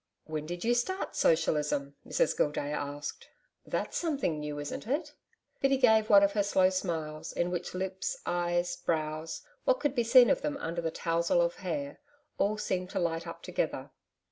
'When did you start Socialism?' Mrs Gildea asked. 'That's something new, isn't it?' Biddy gave one of her slow smiles in which lips, eyes, brows, what could be seen of them under her towzle of hair all seemed to light up together.